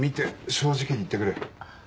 正直に言ってくれ。